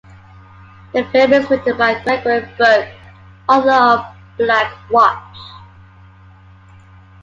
The film is written by Gregory Burke, author of "Black Watch".